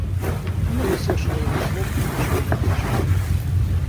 Она не слышала его слов и ничего не отвечала.